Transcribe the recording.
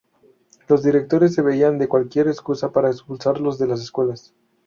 Los directores se valían de cualquier excusa para expulsarlos de las escuelas.